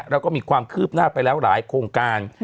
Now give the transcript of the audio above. แล้วก็มีความคืบหน้าไปแล้วหลายโครงการ